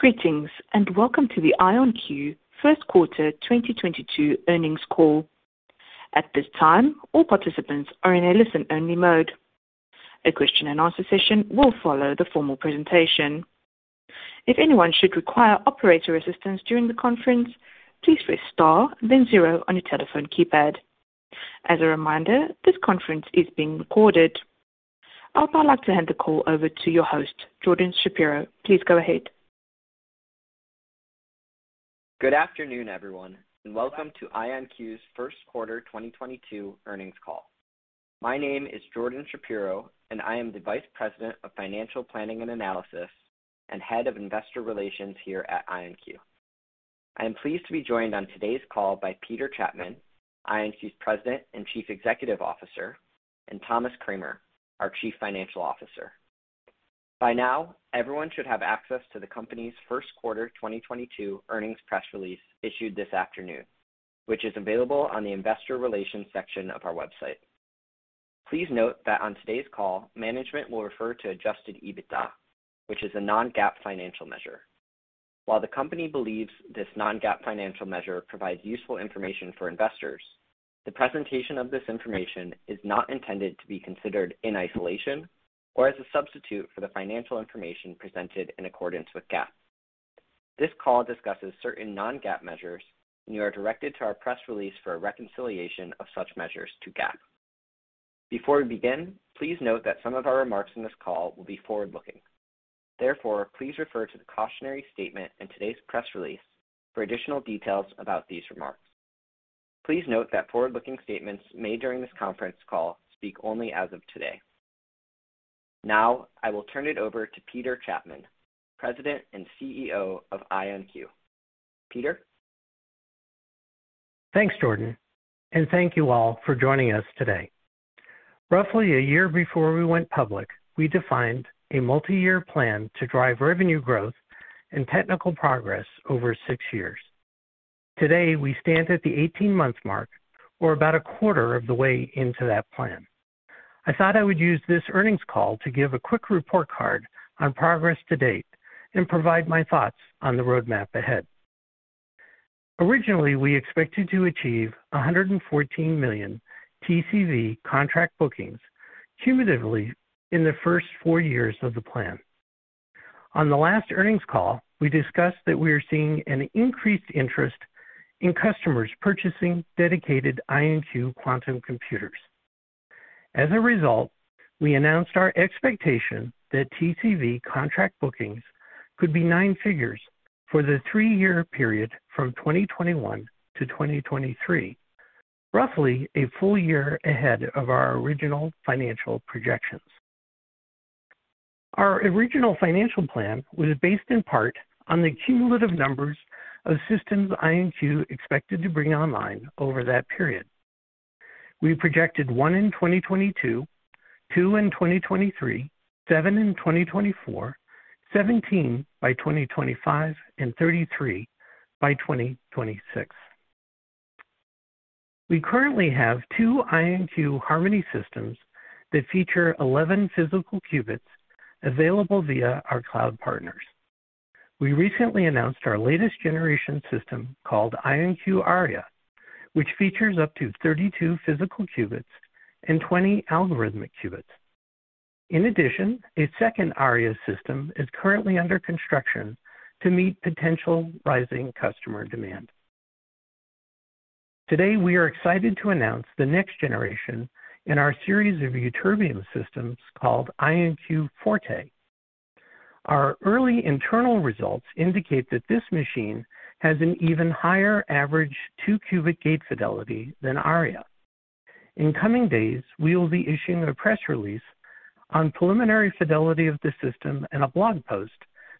Greetings, and welcome to the IonQ First Quarter 2022 Earnings Call. At this time, all participants are in a listen-only mode. A question and answer session will follow the formal presentation. If anyone should require operator assistance during the conference, please press star, then zero on your telephone keypad. As a reminder, this conference is being recorded. I would now like to hand the call over to your host, Jordan Shapiro. Please go ahead. Good afternoon, everyone, and welcome to IonQ's First Quarter 2022 Earnings Call. My name is Jordan Shapiro, and I am the Vice President of Financial Planning and Analysis and Head of Investor Relations here at IonQ. I am pleased to be joined on today's call by Peter Chapman, IonQ's President and Chief Executive Officer, and Thomas Kramer, our Chief Financial Officer. By now, everyone should have access to the company's first quarter 2022 earnings press release issued this afternoon, which is available on the investor relations section of our website. Please note that on today's call, management will refer to adjusted EBITDA, which is a non-GAAP financial measure. While the company believes this non-GAAP financial measure provides useful information for investors, the presentation of this information is not intended to be considered in isolation or as a substitute for the financial information presented in accordance with GAAP. This call discusses certain non-GAAP measures, and you are directed to our press release for a reconciliation of such measures to GAAP. Before we begin, please note that some of our remarks in this call will be forward-looking. Therefore, please refer to the cautionary statement in today's press release for additional details about these remarks. Please note that forward-looking statements made during this conference call speak only as of today. Now, I will turn it over to Peter Chapman, President and CEO of IonQ. Peter? Thanks, Jordan, and thank you all for joining us today. Roughly a year before we went public, we defined a multi-year plan to drive revenue growth and technical progress over six years. Today, we stand at the 18-month mark or about a quarter of the way into that plan. I thought I would use this earnings call to give a quick report card on progress to date and provide my thoughts on the roadmap ahead. Originally, we expected to achieve $114 million TCV contract bookings cumulatively in the first four years of the plan. On the last earnings call, we discussed that we are seeing an increased interest in customers purchasing dedicated IonQ quantum computers. As a result, we announced our expectation that TCV contract bookings could be nine figures for the three-year period from 2021-2023, roughly a full year ahead of our original financial projections. Our original financial plan was based in part on the cumulative numbers of systems IonQ expected to bring online over that period. We projected 1 in 2022, 2 in 2023, 7 in 2024, 17 by 2025, and 33 by 2026. We currently have two IonQ Harmony systems that feature 11 physical qubits available via our cloud partners. We recently announced our latest generation system called IonQ Aria, which features up to 32 physical qubits and 20 algorithmic qubits. In addition, a second Aria system is currently under construction to meet potential rising customer demand. Today, we are excited to announce the next generation in our series of ytterbium systems called IonQ Forte. Our early internal results indicate that this machine has an even higher average two-qubit gate fidelity than Aria. In coming days, we will be issuing a press release on preliminary fidelity of the system and a blog post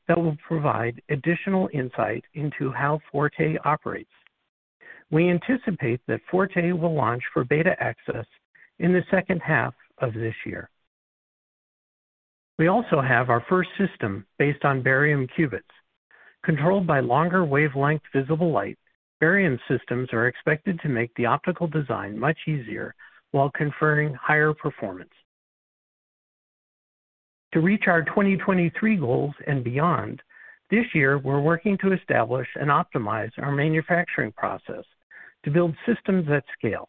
that will provide additional insight into how Forte operates. We anticipate that Forte will launch for beta access in the second half of this year. We also have our first system based on barium qubits. Controlled by longer wavelength visible light, barium systems are expected to make the optical design much easier while conferring higher performance. To reach our 2023 goals and beyond, this year we're working to establish and optimize our manufacturing process to build systems at scale.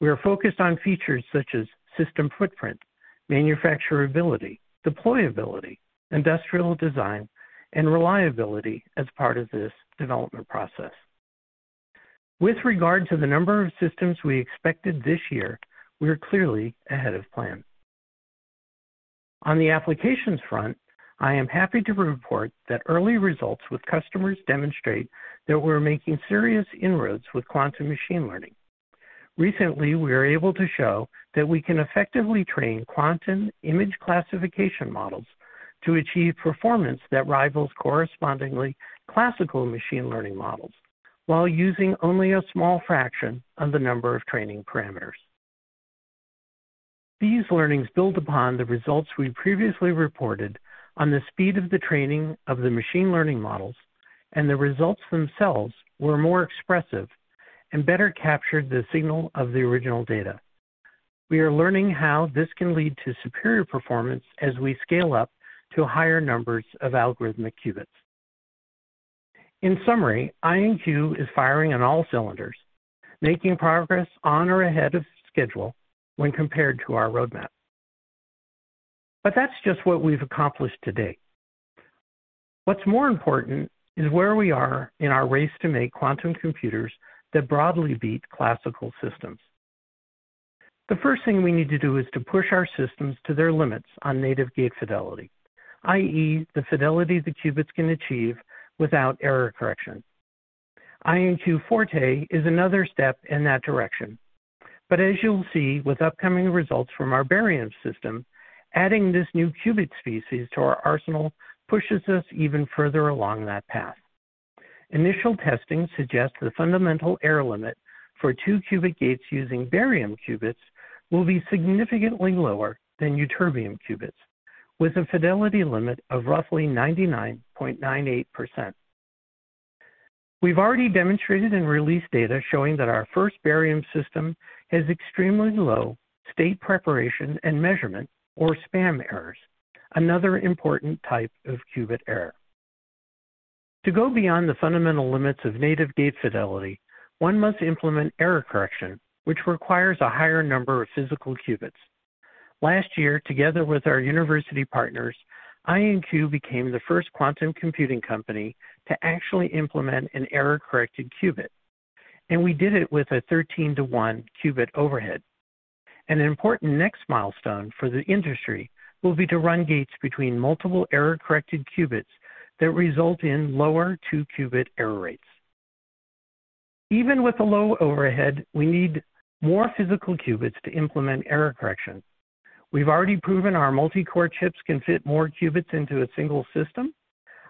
We are focused on features such as system footprint, manufacturability, deployability, industrial design, and reliability as part of this development process. With regard to the number of systems we expected this year, we are clearly ahead of plan. On the applications front, I am happy to report that early results with customers demonstrate that we're making serious inroads with quantum machine learning. Recently, we were able to show that we can effectively train quantum image classification models to achieve performance that rivals correspondingly classical machine learning models while using only a small fraction of the number of training parameters. These learnings build upon the results we previously reported on the speed of the training of the machine learning models, and the results themselves were more expressive and better captured the signal of the original data. We are learning how this can lead to superior performance as we scale up to higher numbers of algorithmic qubits. In summary, IonQ is firing on all cylinders, making progress on or ahead of schedule when compared to our roadmap. That's just what we've accomplished to date. What's more important is where we are in our race to make quantum computers that broadly beat classical systems. The first thing we need to do is to push our systems to their limits on native gate fidelity, i.e., the fidelity the qubits can achieve without error correction. IonQ Forte is another step in that direction. As you'll see with upcoming results from our barium system, adding this new qubit species to our arsenal pushes us even further along that path. Initial testing suggests the fundamental error limit for two qubit gates using barium qubits will be significantly lower than ytterbium qubits, with a fidelity limit of roughly 99.98%. We've already demonstrated and released data showing that our first barium system has extremely low state preparation and measurement or SPAM errors, another important type of qubit error. To go beyond the fundamental limits of native gate fidelity, one must implement error correction, which requires a higher number of physical qubits. Last year, together with our university partners, IonQ became the first quantum computing company to actually implement an error-corrected qubit, and we did it with a 13:1 qubit overhead. An important next milestone for the industry will be to run gates between multiple error-corrected qubits that result in lower two-qubit error rates. Even with a low overhead, we need more physical qubits to implement error correction. We've already proven our multi-core chips can fit more qubits into a single system.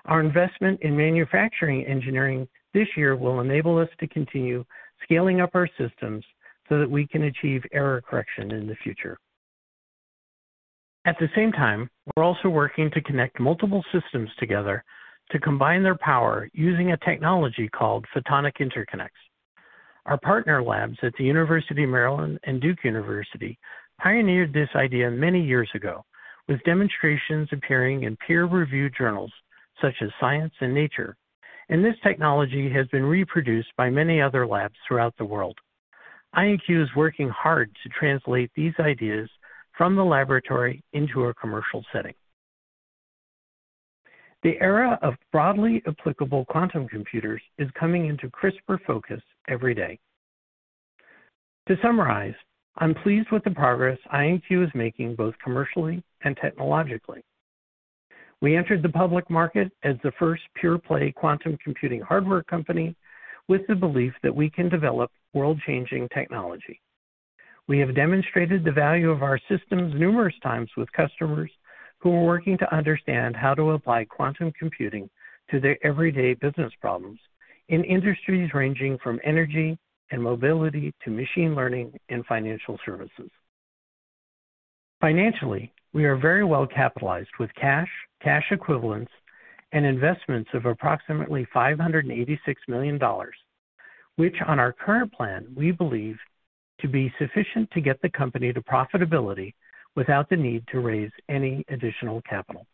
Our investment in manufacturing engineering this year will enable us to continue scaling up our systems so that we can achieve error correction in the future. At the same time, we're also working to connect multiple systems together to combine their power using a technology called photonic interconnects. Our partner labs at the University of Maryland and Duke University pioneered this idea many years ago, with demonstrations appearing in peer-reviewed journals such as Science and Nature, and this technology has been reproduced by many other labs throughout the world. IonQ is working hard to translate these ideas from the laboratory into a commercial setting. The era of broadly applicable quantum computers is coming into crisper focus every day. To summarize, I'm pleased with the progress IonQ is making both commercially and technologically. We entered the public market as the first pure-play quantum computing hardware company with the belief that we can develop world-changing technology. We have demonstrated the value of our systems numerous times with customers who are working to understand how to apply quantum computing to their everyday business problems in industries ranging from energy and mobility to machine learning and financial services. Financially, we are very well capitalized with cash equivalents, and investments of approximately $586 million, which on our current plan, we believe to be sufficient to get the company to profitability without the need to raise any additional capital.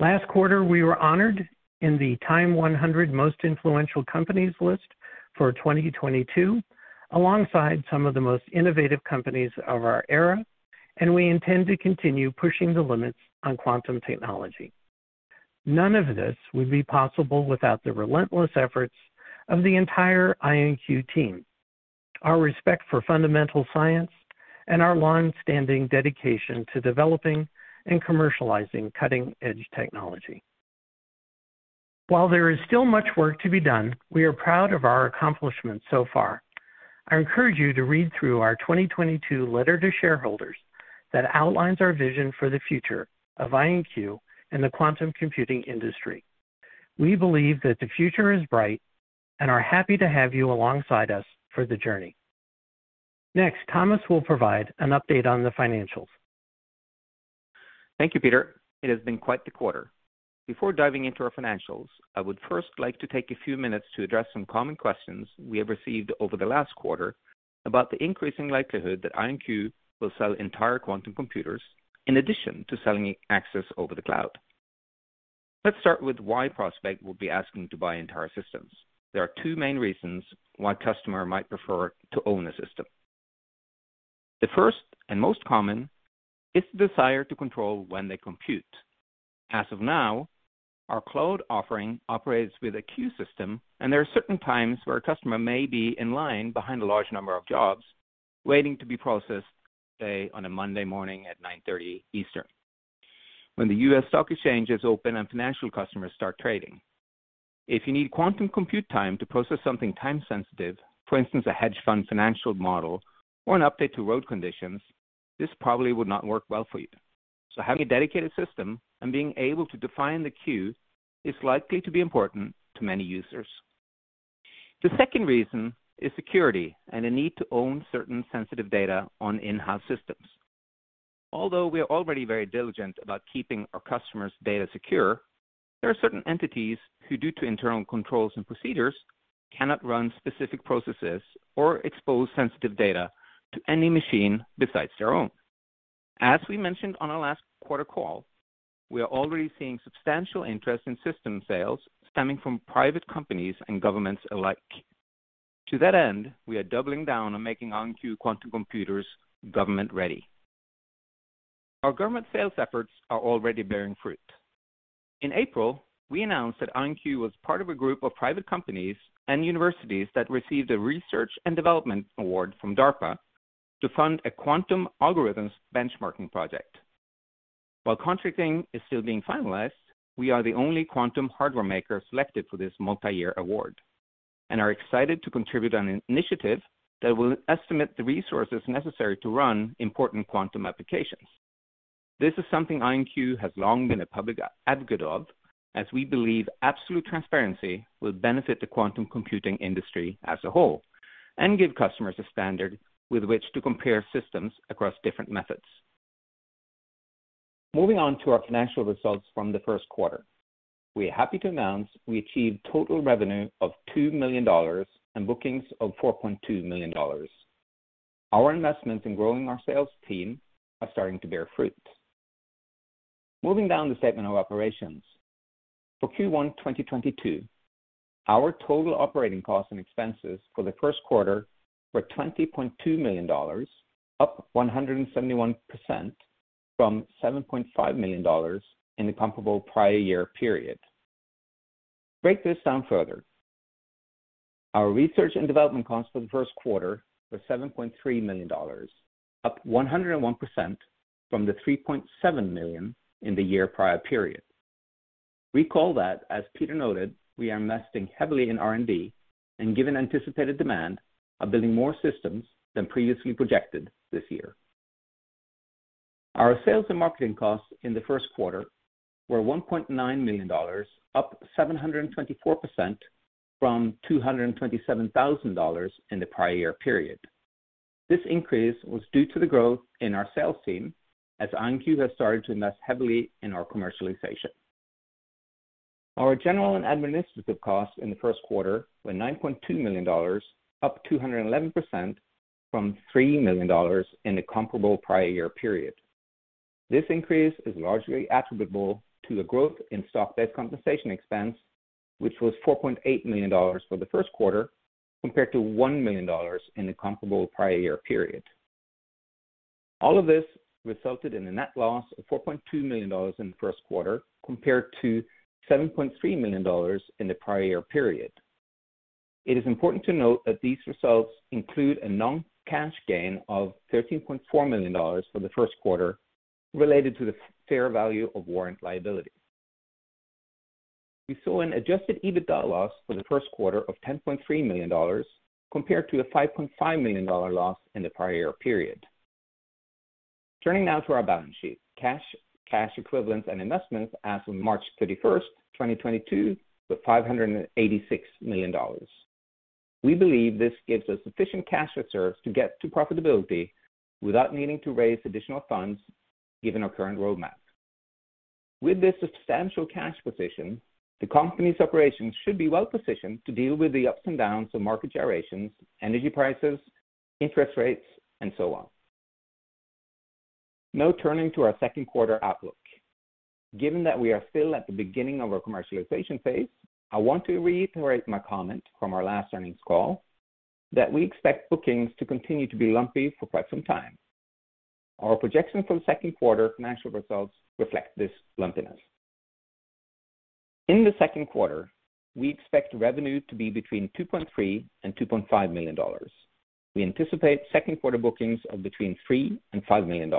Last quarter, we were honored in the Time 100 Most Influential Companies list for 2022, alongside some of the most innovative companies of our era, and we intend to continue pushing the limits on quantum technology. None of this would be possible without the relentless efforts of the entire IonQ team, our respect for fundamental science, and our longstanding dedication to developing and commercializing cutting-edge technology. While there is still much work to be done, we are proud of our accomplishments so far. I encourage you to read through our 2022 letter to shareholders that outlines our vision for the future of IonQ and the quantum computing industry. We believe that the future is bright and are happy to have you alongside us for the journey. Next, Thomas will provide an update on the financials. Thank you, Peter. It has been quite the quarter. Before diving into our financials, I would first like to take a few minutes to address some common questions we have received over the last quarter about the increasing likelihood that IonQ will sell entire quantum computers in addition to selling access over the cloud. Let's start with why a prospect will be asking to buy entire systems. There are two main reasons why a customer might prefer to own a system. The first and most common is the desire to control when they compute. As of now, our cloud offering operates with a queue system, and there are certain times where a customer may be in line behind a large number of jobs waiting to be processed, say, on a Monday morning at 9:30 A.M. Eastern when the New York Stock Exchange is open and financial customers start trading. If you need quantum compute time to process something time-sensitive, for instance, a hedge fund financial model or an update to road conditions, this probably would not work well for you. Having a dedicated system and being able to define the queue is likely to be important to many users. The second reason is security and a need to own certain sensitive data on in-house systems. Although we are already very diligent about keeping our customers' data secure, there are certain entities who, due to internal controls and procedures, cannot run specific processes or expose sensitive data to any machine besides their own. As we mentioned on our last quarter call, we are already seeing substantial interest in system sales stemming from private companies and governments alike. To that end, we are doubling down on making IonQ quantum computers government ready. Our government sales efforts are already bearing fruit. In April, we announced that IonQ was part of a group of private companies and universities that received a research and development award from DARPA to fund a quantum algorithms benchmarking project. While contracting is still being finalized, we are the only quantum hardware maker selected for this multi-year award and are excited to contribute on an initiative that will estimate the resources necessary to run important quantum applications. This is something IonQ has long been a public advocate of, as we believe absolute transparency will benefit the quantum computing industry as a whole and give customers a standard with which to compare systems across different methods. Moving on to our financial results from the first quarter, we are happy to announce we achieved total revenue of $2 million and bookings of $4.2 million. Our investments in growing our sales team are starting to bear fruit. Moving down the statement of operations. For Q1 2022, our total operating costs and expenses for the first quarter were $20.2 million, up 171% from $7.5 million in the comparable prior-year period. To break this down further, our research and development costs for the first quarter were $7.3 million, up 101% from the $3.7 million in the year prior period. Recall that, as Peter noted, we are investing heavily in R&D and given anticipated demand are building more systems than previously projected this year. Our sales and marketing costs in the first quarter were $1.9 million, up 724% from $227,000 in the prior year period. This increase was due to the growth in our sales team as IonQ has started to invest heavily in our commercialization. Our general and administrative costs in the first quarter were $9.2 million, up 211% from $3 million in the comparable prior-year period. This increase is largely attributable to the growth in stock-based compensation expense, which was $4.8 million for the first quarter, compared to $1 million in the comparable prior-year period. All of this resulted in a net loss of $4.2 million in the first quarter, compared to $7.3 million in the prior-year period. It is important to note that these results include a non-cash gain of $13.4 million for the first quarter related to the fair value of warrant liability. We saw an adjusted EBITDA loss for the first quarter of $10.3 million, compared to a $5.5 million loss in the prior-year period. Turning now to our balance sheet. Cash, cash equivalents and investments as of March 31, 2022, with $586 million. We believe this gives us sufficient cash reserves to get to profitability without needing to raise additional funds given our current roadmap. With this substantial cash position, the company's operations should be well-positioned to deal with the ups and downs of market gyrations, energy prices, interest rates, and so on. Now turning to our second quarter outlook. Given that we are still at the beginning of our commercialization phase, I want to reiterate my comment from our last earnings call that we expect bookings to continue to be lumpy for quite some time. Our projections for the second quarter financial results reflect this lumpiness. In the second quarter, we expect revenue to be between $2.3 millio-$2.5 million. We anticipate second quarter bookings of between $3 million-$5 million.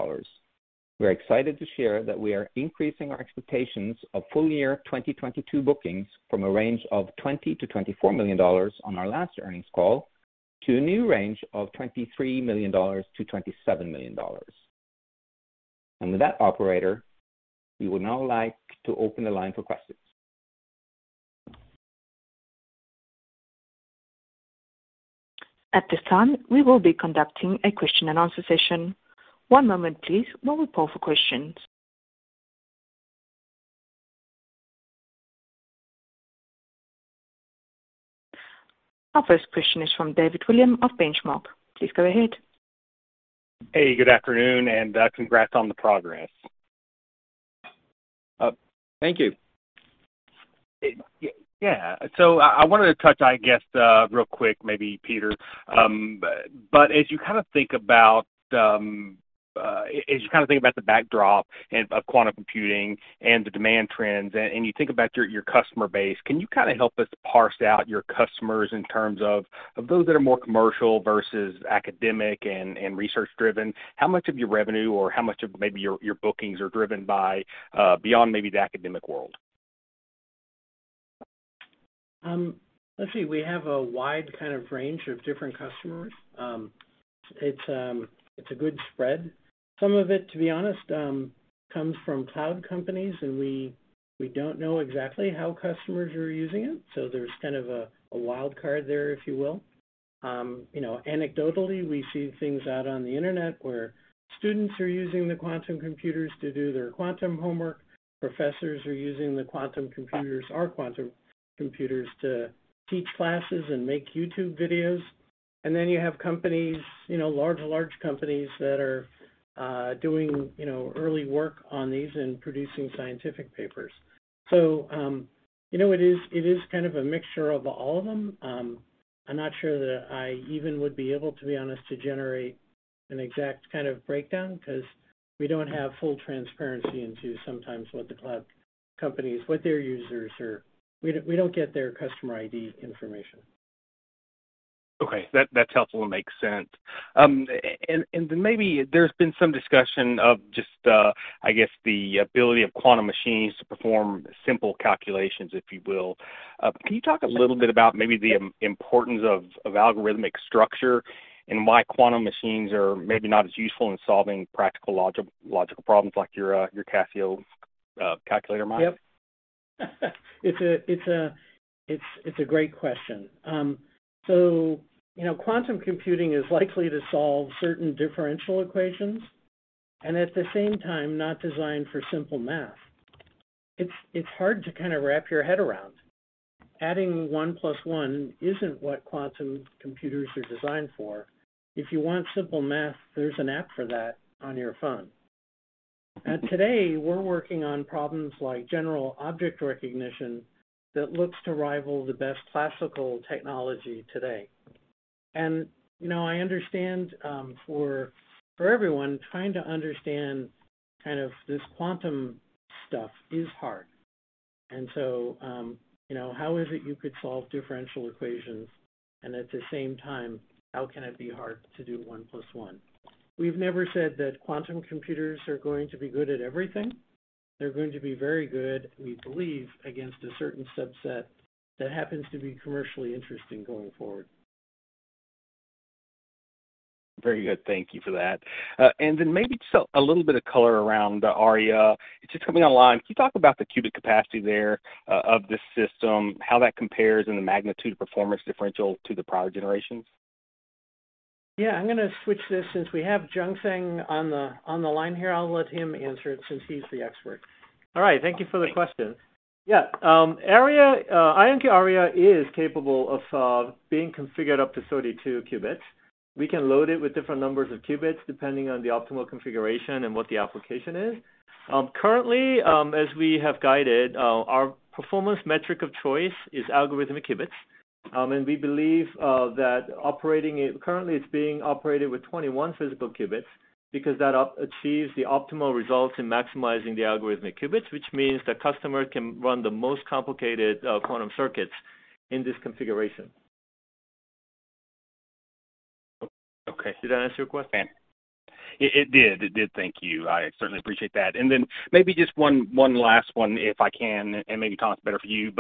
We're excited to share that we are increasing our expectations of full-year 2022 bookings from a range of $20 million-$24 million on our last earnings call to a new range of $23 million-$27 million. With that, operator, we would now like to open the line for questions. At this time, we will be conducting a question and answer session. One moment please while we poll for questions. Our first question is from David Williams of Benchmark. Please go ahead. Hey, good afternoon and, congrats on the progress. Thank you. Yeah. I wanted to touch, I guess, real quick maybe Peter, but as you kind of think about the backdrop of quantum computing and the demand trends and you think about your customer base, can you kind of help us parse out your customers in terms of those that are more commercial versus academic and research-driven? How much of your revenue or how much of maybe your bookings are driven by beyond maybe the academic world? Let's see. We have a wide kind of range of different customers. It's a good spread. Some of it, to be honest, comes from cloud companies, and we don't know exactly how customers are using it, so there's kind of a wild card there, if you will. You know, anecdotally, we see things out on the Internet where students are using the quantum computers to do their quantum homework. Professors are using the quantum computers, our quantum computers, to teach classes and make YouTube videos. You have companies, you know, large companies that are doing, you know, early work on these and producing scientific papers. You know, it is kind of a mixture of all of them. I'm not sure that I even would be able, to be honest, to generate an exact kind of breakdown because we don't have full transparency into sometimes what the cloud companies, what their users are. We don't get their customer ID information. Okay. That, that's helpful and makes sense. And maybe there's been some discussion of just, I guess, the ability of quantum machines to perform simple calculations, if you will. Can you talk a little bit about maybe the importance of algorithmic structure and why quantum machines are maybe not as useful in solving practical logical problems like your Casio calculator model? Yep. It's a great question. You know, quantum computing is likely to solve certain differential equations, and at the same time, not designed for simple math. It's hard to kind of wrap your head around. Adding one plus one isn't what quantum computers are designed for. If you want simple math, there's an app for that on your phone. Today, we're working on problems like general object recognition that looks to rival the best classical technology today. You know, I understand for everyone, trying to understand kind of this quantum stuff is hard. You know, how is it you could solve differential equations and at the same time, how can it be hard to do one plus one? We've never said that quantum computers are going to be good at everything. They're going to be very good, we believe, against a certain subset that happens to be commercially interesting going forward. Very good. Thank you for that. Maybe just a little bit of color around the Aria. It's just coming online. Can you talk about the qubit capacity there, of the system, how that compares in the magnitude of performance differential to the prior-generations? Yeah. I'm gonna switch this since we have Jungsang Kim on the line here. I'll let him answer it since he's the expert. All right. Thank you for the question. Yeah. IonQ Aria is capable of being configured up to 32 qubits. We can load it with different numbers of qubits depending on the optimal configuration and what the application is. Currently, as we have guided, our performance metric of choice is Algorithmic Qubits. We believe. Currently, it's being operated with 21 physical qubits because that achieves the optimal results in maximizing the Algorithmic Qubits, which means the customer can run the most complicated quantum circuits in this configuration. Okay. Did that answer your question? It did. Thank you. I certainly appreciate that. Then maybe just one last one, if I can, and maybe Thomas, better for you.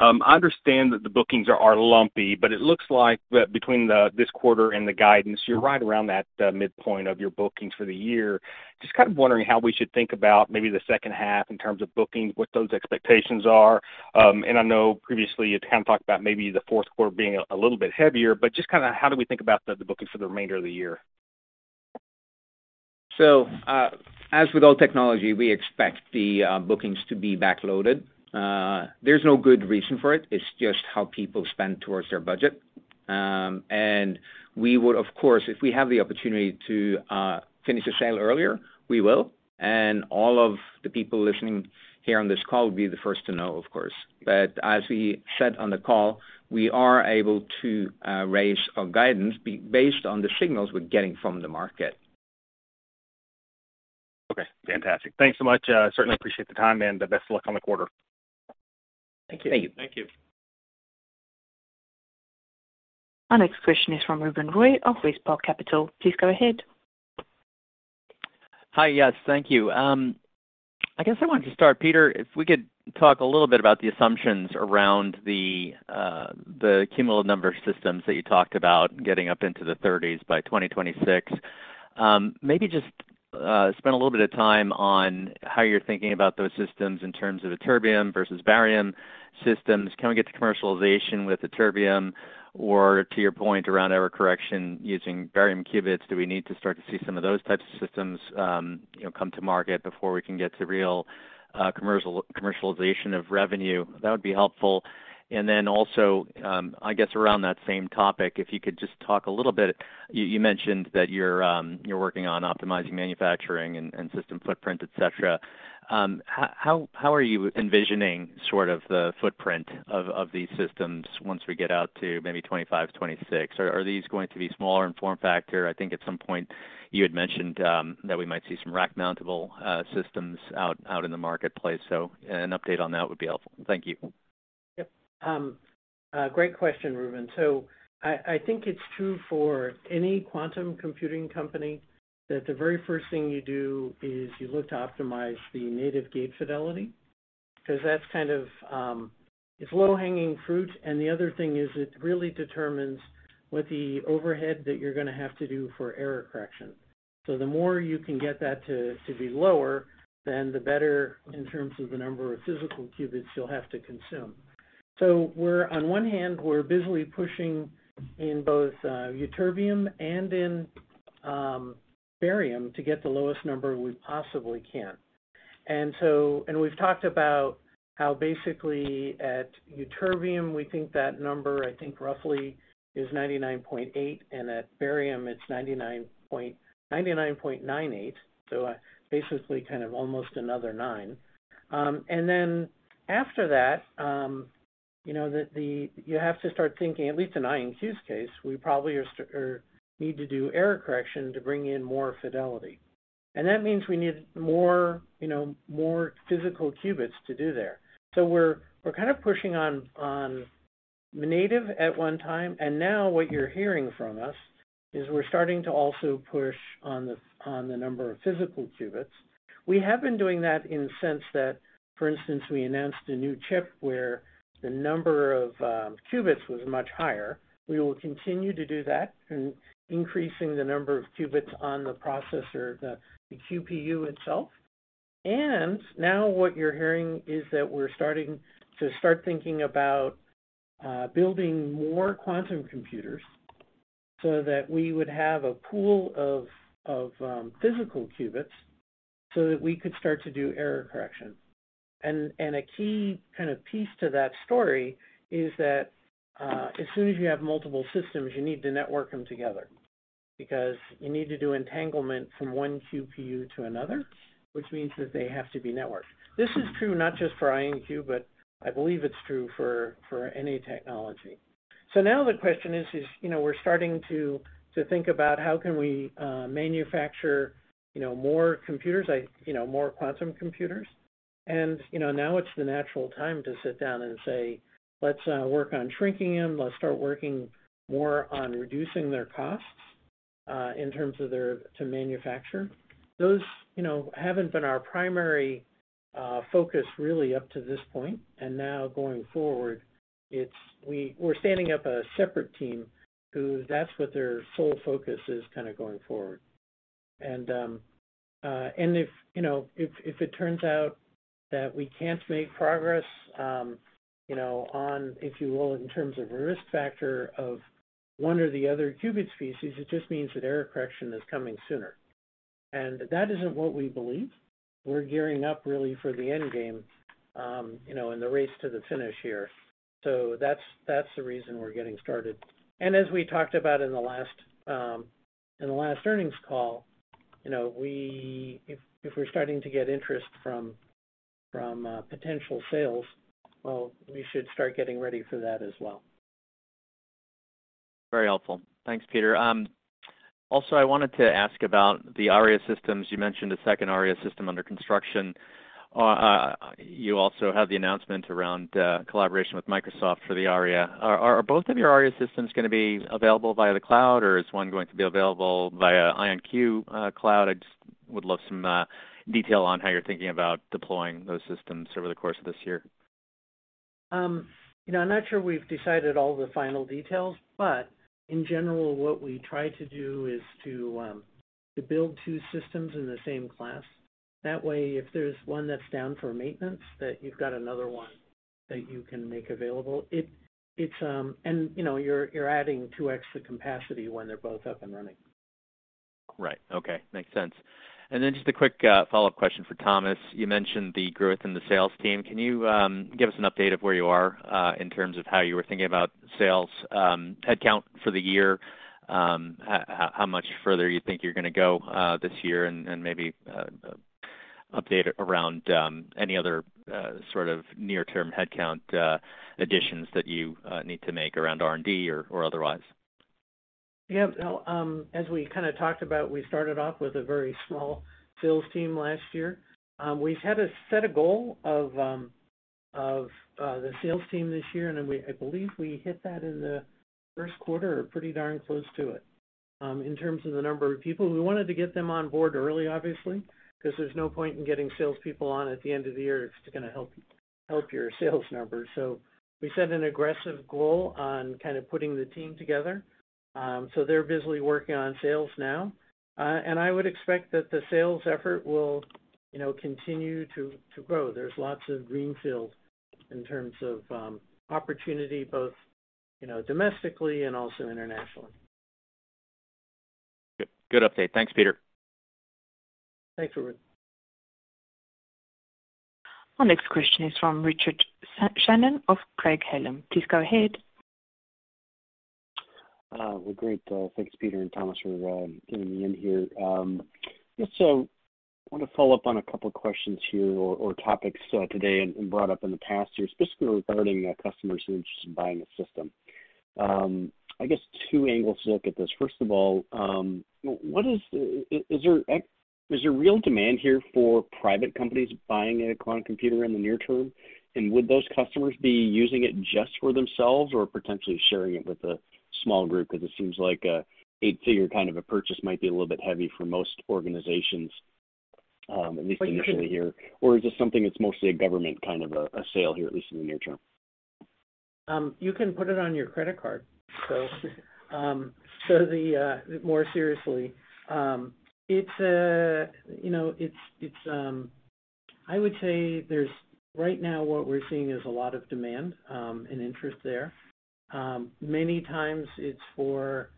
I understand that the bookings are lumpy, but it looks like that between this quarter and the guidance, you're right around that mid-point of your bookings for the year. Just kind of wondering how we should think about maybe the second half in terms of bookings, what those expectations are. I know previously, you kind of talked about maybe the fourth quarter being a little bit heavier, but just kind of how do we think about the bookings for the remainder of the year? As with all technology, we expect the bookings to be backloaded. There's no good reason for it. It's just how people spend towards their budget. We would, of course, if we have the opportunity to finish a sale earlier, we will. All of the people listening here on this call will be the first to know, of course. As we said on the call, we are able to raise our guidance based on the signals we're getting from the market. Okay. Fantastic. Thanks so much. Certainly appreciate the time, and best of luck on the quarter. Thank you. Thank you. Thank you. Our next question is from Reuben Roy of WestPark Capital. Please go ahead. Hi. Yes. Thank you. I guess I wanted to start, Peter, if we could talk a little bit about the assumptions around the cumulative number of systems that you talked about getting up into the 30s by 2026. Maybe just spend a little bit of time on how you're thinking about those systems in terms of the ytterbium versus barium systems. Can we get to commercialization with the ytterbium? Or to your point around error correction using barium qubits, do we need to start to see some of those types of systems, you know, come to market before we can get to real commercial commercialization of revenue? That would be helpful. Then also, I guess around that same topic, if you could just talk a little bit, you mentioned that you're working on optimizing manufacturing and system footprint, etc. How are you envisioning sort of the footprint of these systems once we get out to maybe 2025-2026? Are these going to be smaller in form factor? I think at some point you had mentioned that we might see some rack mountable systems out in the marketplace. An update on that would be helpful. Thank you. Great question, Reuben. I think it's true for any quantum computing company that the very first thing you do is you look to optimize the native gate fidelity, 'cause that's kind of it's low-hanging fruit, and the other thing is it really determines what the overhead that you're gonna have to do for error correction. The more you can get that to be lower, then the better in terms of the number of physical qubits you'll have to consume. We're on one hand busily pushing in both ytterbium and in barium to get the lowest number we possibly can. We've talked about how basically at ytterbium, we think that number, I think, roughly is 99.8%, and at barium it's 99.98%. Basically kind of almost another nine. After that, you know, you have to start thinking, at least in IonQ's case, we probably are or need to do error correction to bring in more fidelity. That means we need more, you know, more physical qubits to do there. We're kind of pushing on native at one time, and now what you're hearing from us is we're starting to also push on the number of physical qubits. We have been doing that in the sense that, for instance, we announced a new chip where the number of qubits was much higher. We will continue to do that in increasing the number of qubits on the processor, the QPU itself. Now what you're hearing is that we're starting to think about building more quantum computers so that we would have a pool of physical qubits so that we could start to do error correction. A key kind of piece to that story is that as soon as you have multiple systems, you need to network them together because you need to do entanglement from one QPU to another, which means that they have to be networked. This is true not just for IonQ, but I believe it's true for any technology. Now the question is, you know, we're starting to think about how can we manufacture, you know, more computers. You know, more quantum computers. You know, now it's the natural time to sit down and say, "Let's work on shrinking them. Let's start working more on reducing their costs in terms of their to manufacture." Those, you know, haven't been our primary focus really up to this point. Now going forward, we're standing up a separate team who that's what their sole focus is kind of going forward. If, you know, if it turns out that we can't make progress, you know, on if you will, in terms of a risk factor of one or the other qubit species, it just means that error correction is coming sooner. That isn't what we believe. We're gearing up really for the end game, you know, in the race to the finish here. That's the reason we're getting started. As we talked about in the last earnings call, you know, we If we're starting to get interest from potential sales, well, we should start getting ready for that as well. Very helpful. Thanks, Peter. Also, I wanted to ask about the Aria systems. You mentioned a second Aria system under construction. You also have the announcement around collaboration with Microsoft for the Aria. Are both of your Aria systems gonna be available via the cloud, or is one going to be available via IonQ cloud? I just would love some detail on how you're thinking about deploying those systems over the course of this year. You know, I'm not sure we've decided all the final details, but in general, what we try to do is to build two systems in the same class. That way, if there's one that's down for maintenance, that you've got another one that you can make available. You know, you're adding two extra capacity when they're both up and running. Right. Okay. Makes sense. Just a quick follow-up question for Thomas. You mentioned the growth in the sales team. Can you give us an update of where you are in terms of how you were thinking about sales headcount for the year? How much further you think you're gonna go this year, and maybe update around any other sort of near-term headcount additions that you need to make around R&D or otherwise? Yeah. Well, as we kind of talked about, we started off with a very small sales team last year. We've had to set a goal of the sales team this year, and then I believe we hit that in the first quarter or pretty darn close to it, in terms of the number of people. We wanted to get them on board early, obviously, 'cause there's no point in getting salespeople on at the end of the year if it's gonna help your sales numbers. We set an aggressive goal on kind of putting the team together. They're busily working on sales now. I would expect that the sales effort will, you know, continue to grow. There's lots of greenfield in terms of opportunity, both, you know, domestically and also internationally. Good. Good update. Thanks, Peter. Thanks, Reuben. Our next question is from Richard Shannon of Craig-Hallum. Please go ahead. Well, great. Thanks, Peter and Thomas for getting me in here. Just wanna follow up on a couple questions here or topics today and brought up in the past here, specifically regarding customers who are interested in buying a system. I guess two angles to look at this. First of all, is there real demand here for private companies buying a quantum computer in the near-term? Would those customers be using it just for themselves or potentially sharing it with a small group? 'Cause it seems like an eight-figure kind of a purchase might be a little bit heavy for most organizations, at least initially here. Is this something that's mostly a government kind of a sale here, at least in the near-term? You can put it on your credit card. More seriously, it's, you know, it's, I would say there's right now what we're seeing is a lot of demand and interest there. Many times it's for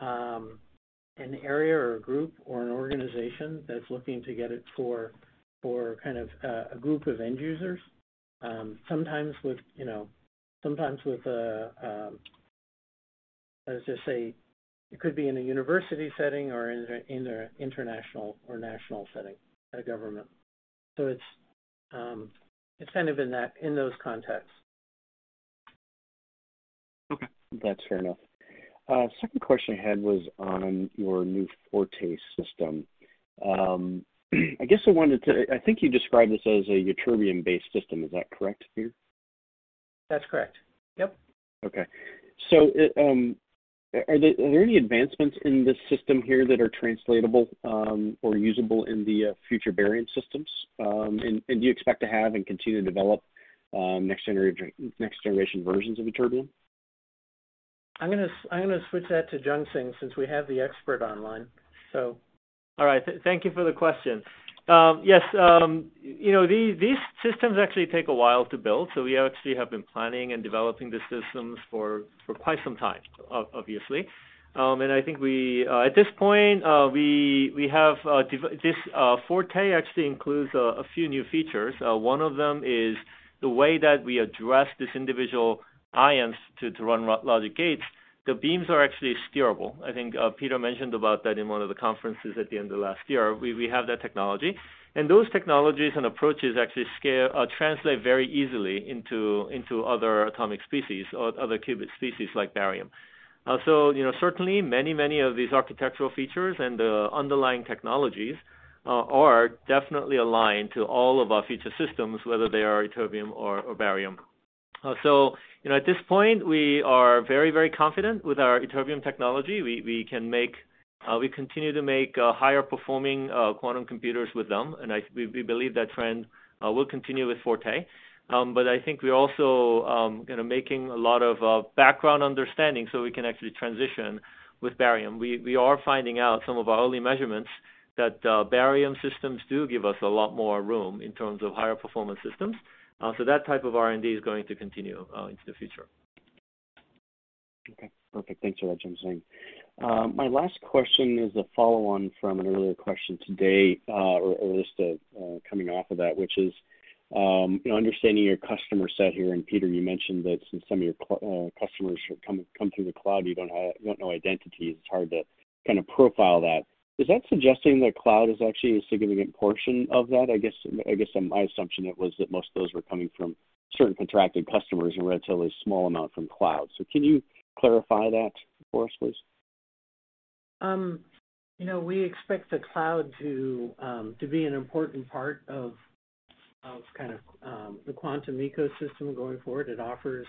an area or a group or an organization that's looking to get it for kind of a group of end users. Sometimes with, you know, sometimes with a, let's just say it could be in a university setting or in a international or national setting, a government. It's kind of in those contexts. Okay. That's fair enough. Second question I had was on your new Forte system. I guess I think you described this as a ytterbium-based system. Is that correct, Peter? That's correct. Yep. Okay, are there any advancements in this system here that are translatable or usable in the future barium systems? Do you expect to have and continue to develop next generation versions of ytterbium? I'm gonna switch that to Jungsang since we have the expert online, so. All right. Thank you for the question. Yes, you know, these systems actually take a while to build, so we actually have been planning and developing the systems for quite some time, obviously. I think at this point we have. This Forte actually includes a few new features. One of them is the way that we address these individual ions to run logic gates. The beams are actually steerable. I think Peter mentioned about that in one of the conferences at the end of last year. We have that technology. Those technologies and approaches actually translate very easily into other atomic species or other qubit species like barium. You know, certainly many of these architectural features and the underlying technologies are definitely aligned to all of our future systems, whether they are ytterbium or barium. You know, at this point, we are very confident with our ytterbium technology. We continue to make higher performing quantum computers with them, and we believe that trend will continue with Forte. I think we're also, you know, making a lot of background understanding so we can actually transition with barium. We are finding out some of our early measurements that barium systems do give us a lot more room in terms of higher performance systems. That type of R&D is going to continue into the future. Okay. Perfect. Thanks for that, Jungsang. My last question is a follow-on from an earlier question today, or at least coming off of that, which is you know, understanding your customer set here, and Peter, you mentioned that since some of your customers come through the cloud, you don't have. You won't know identities. It's hard to kind of profile that. Is that suggesting that cloud is actually a significant portion of that? I guess my assumption it was that most of those were coming from certain contracted customers, and you'd get a small amount from cloud. Can you clarify that for us, please? You know, we expect the cloud to be an important part of kind of the quantum ecosystem going forward. It offers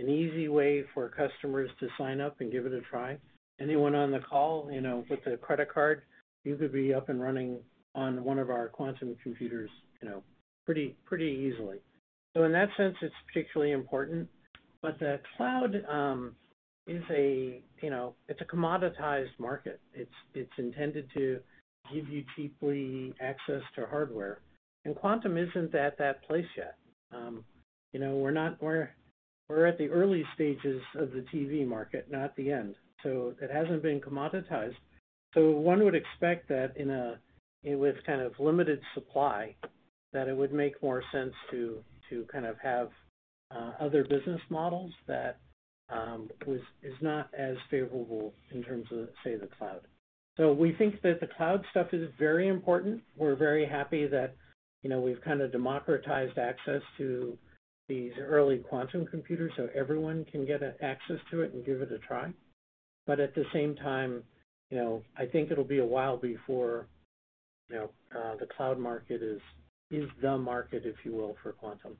an easy way for customers to sign up and give it a try. Anyone on the call, you know, with a credit card, you could be up and running on one of our quantum computers, you know, pretty easily. In that sense, it's particularly important. The cloud is a, you know, it's a commoditized market. It's intended to give you cheap access to hardware. Quantum isn't at that place yet. You know, we're at the early stages of the TV market, not the end. It hasn't been commoditized. One would expect that in with kind of limited supply, that it would make more sense to kind of have other business models that is not as favorable in terms of, say, the cloud. We think that the cloud stuff is very important. We're very happy that, you know, we've kind of democratized access to these early quantum computers, so everyone can get access to it and give it a try. But at the same time, you know, I think it'll be a while before, you know, the cloud market is the market, if you will, for quantum.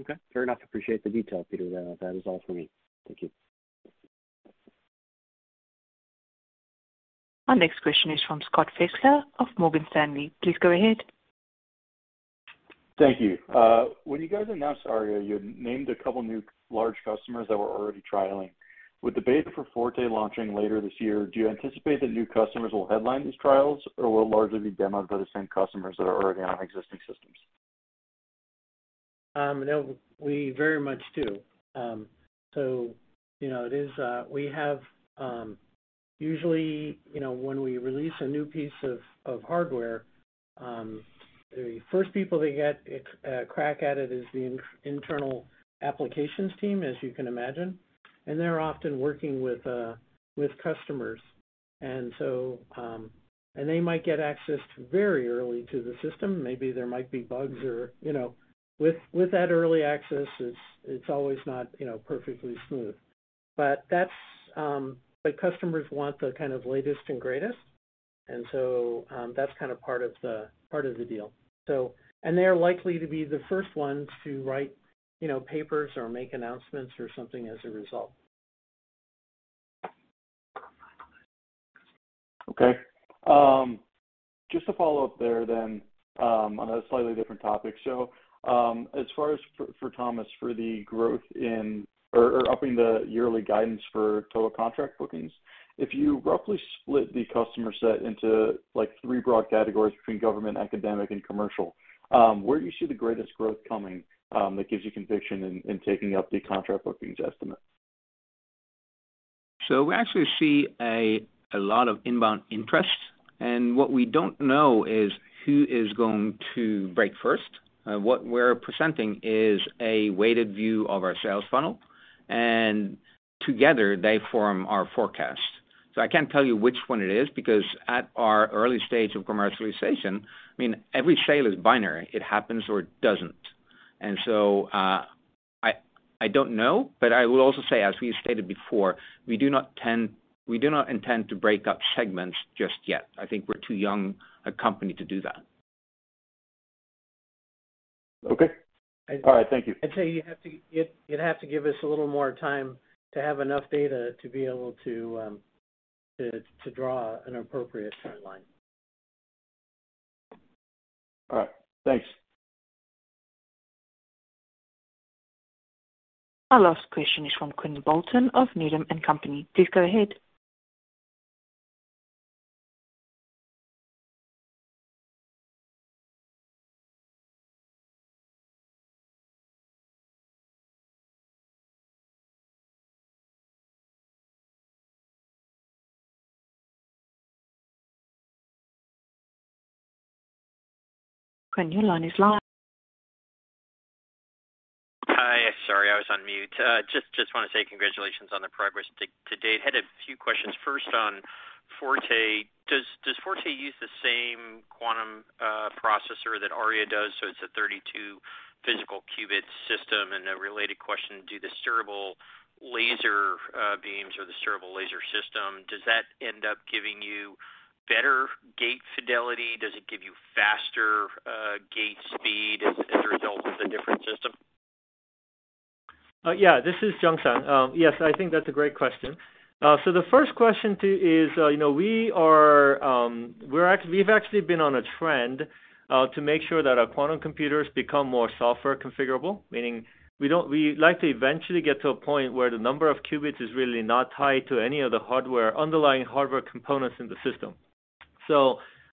Okay. Fair enough. Appreciate the detail, Peter. That is all for me. Thank you. Our next question is from Scott Fessler of Morgan Stanley. Please go ahead. Thank you. When you guys announced Aria, you named a couple new large customers that were already trialing. With the beta for Forte launching later this year, do you anticipate that new customers will headline these trials or will largely be demoed by the same customers that are already on existing systems? No, we very much do. Usually, you know, when we release a new piece of hardware, the first people to get a crack at it is the internal applications team, as you can imagine, and they're often working with customers. They might get access very early to the system. Maybe there might be bugs or, you know, with that early access, it's not always perfectly smooth. Customers want the kind of latest and greatest, and so that's kind of part of the deal. They're likely to be the first ones to write, you know, papers or make announcements or something as a result. Okay. Just to follow up there then, on a slightly different topic. As far as for Thomas, for the growth in or upping the yearly guidance for total contract bookings, if you roughly split the customer set into like three broad categories between government, academic and commercial, where do you see the greatest growth coming that gives you conviction in taking up the contract bookings estimate? We actually see a lot of inbound interest. What we don't know is who is going to break first. What we're presenting is a weighted view of our sales funnel, and together they form our forecast. I can't tell you which one it is because at our early stage of commercialization, I mean, every sale is binary. It happens or it doesn't. I don't know, but I will also say, as we stated before, we do not intend to break up segments just yet. I think we're too young a company to do that. Okay. All right. Thank you. I'd say you'd have to give us a little more time to have enough data to be able to draw an appropriate trend-line. All right. Thanks. Our last question is from Quinn Bolton of Needham & Company. Please go ahead. Quinn, your line is live. Hi. Sorry, I was on mute. Just wanna say congratulations on the progress to date. Had a few questions, first on Forte. Does Forte use the same quantum processor that Aria does, so it's a 32 physical qubit system? A related question, do the steerable laser beams or the steerable laser system end up giving you better gate fidelity? Does it give you faster gate speed as a result of the different system? This is Jungsang Kim. Yes, I think that's a great question. You know, we've actually been on a trend to make sure that our quantum computers become more software configurable, meaning we'd like to eventually get to a point where the number of qubits is really not tied to any of the hardware, underlying hardware components in the system.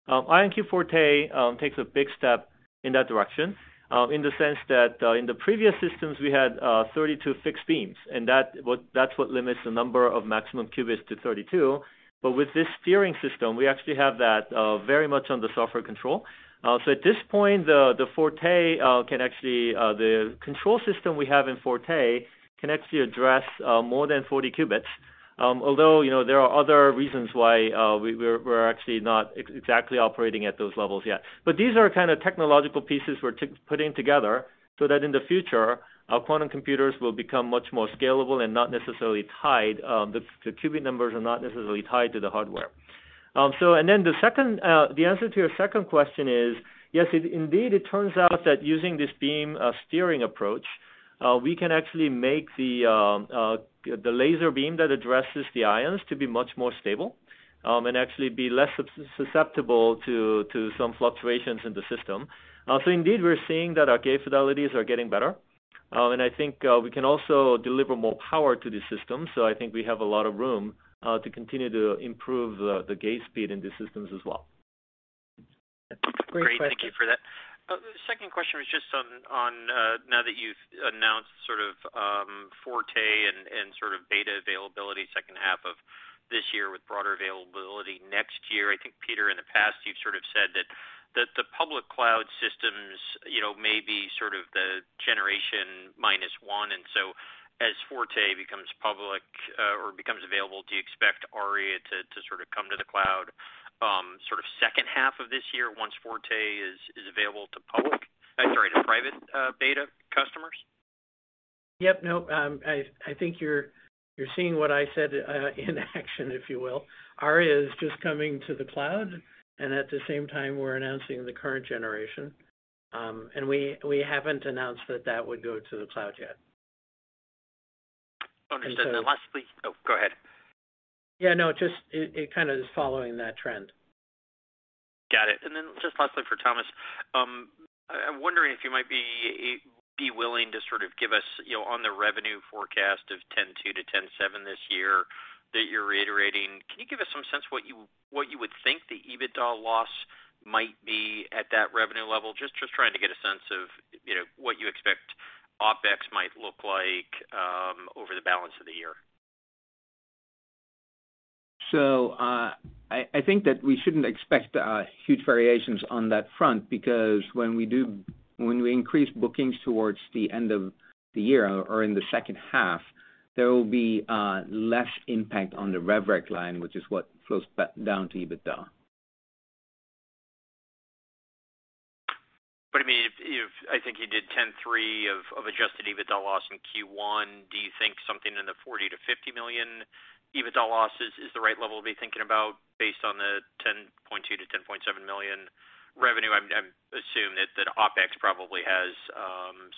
IonQ Forte takes a big step in that direction, in the sense that in the previous systems we had 32 fixed beams, and that's what limits the number of maximum qubits to 32. With this steering system, we actually have that very much under software control. At this point the Forte control system we have in Forte can actually address more than 40 qubits. Although, you know, there are other reasons why we're actually not exactly operating at those levels yet. These are kind of technological pieces we're putting together so that in the future our quantum computers will become much more scalable and not necessarily tied, the qubit numbers are not necessarily tied to the hardware. The answer to your second question is, yes, it indeed, it turns out that using this beam steering approach, we can actually make the laser beam that addresses the ions to be much more stable, and actually be less susceptible to some fluctuations in the system. Indeed we're seeing that our gate fidelities are getting better. I think we can also deliver more power to the system. I think we have a lot of room to continue to improve the gate speed in these systems as well. Great question. Great. Thank you for that. Second question was just on now that you've announced sort of Forte and sort of beta availability second half of this year with broader availability next year. I think Peter, in the past you've sort of said that the public cloud systems, you know, may be sort of the generation minus one. As Forte becomes public or becomes available, do you expect Aria to sort of come to the cloud sort of second half of this year once Forte is available to public? I'm sorry, to private beta customers? Yep, no, I think you're seeing what I said in action, if you will. Aria is just coming to the cloud and at the same time we're announcing the current generation. We haven't announced that would go to the cloud yet. Understood. And so. Lastly. Oh, go ahead. Yeah, no, just it kind of is following that trend. Got it. Just lastly for Thomas, I'm wondering if you might be willing to sort of give us, you know, on the revenue forecast of $102-$107 this year that you're reiterating, can you give us some sense what you would think the EBITDA loss might be at that revenue level? Just trying to get a sense of, you know, what you expect OpEx might look like over the balance of the year. I think that we shouldn't expect huge variations on that front because when we increase bookings towards the end of the year or in the second half, there will be less impact on the revenue recognition line, which is what flows down to EBITDA. I mean, if I think you did $10.3 million adjusted EBITDA loss in Q1, do you think something in the $40 million-$50 million EBITDA loss is the right level to be thinking about based on the $10.2 million-$10.7 million revenue? I assume that OpEx probably has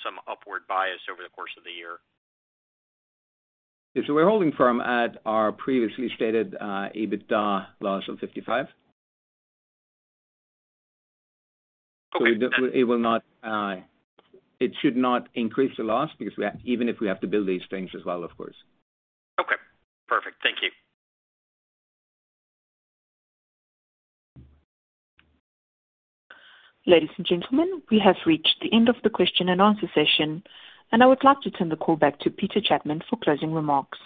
some upward bias over the course of the year. Yeah. We're holding firm at our previously stated EBITDA loss of $55. Okay. It should not increase the loss because even if we have to build these things as well, of course. Okay. Perfect. Thank you. Ladies and gentlemen, we have reached the end of the question and answer session, and I would like to turn the call back to Peter Chapman for closing remarks.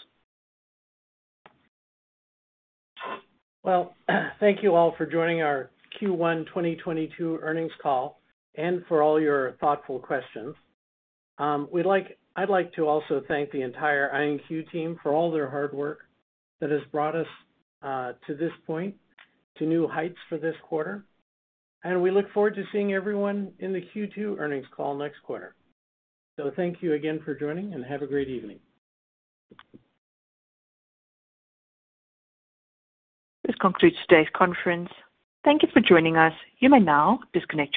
Well, thank you all for joining our Q1 2022 Earnings Call and for all your thoughtful questions. I'd like to also thank the entire IonQ team for all their hard work that has brought us to this point, to new heights for this quarter, and we look forward to seeing everyone in the Q2 earnings call next quarter. Thank you again for joining and have a great evening. This concludes today's conference. Thank you for joining us. You may now disconnect your lines.